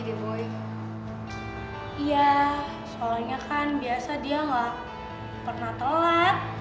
iya soalnya kan biasa dia gak pernah telat